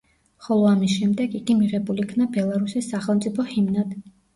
ხოლო ამის შემდეგ იგი მიღებულ იქნა ბელარუსის სახელმწიფო ჰიმნად.